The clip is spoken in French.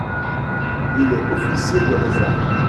Il est Officier de réserve.